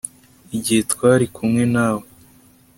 Igihe twari kumwe nawe